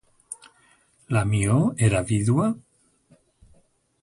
La Mió era vídua?